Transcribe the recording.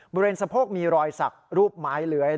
บริเวณสะโพกมีรอยสักรูปไม้เลื้อย